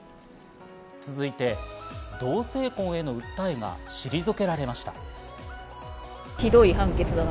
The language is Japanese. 続いて、同性婚への訴えが退けられました。